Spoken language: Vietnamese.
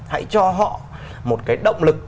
hãy cho họ một cái động lực